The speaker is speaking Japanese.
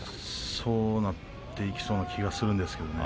そうなっていきそうな気がするんですけれどもね。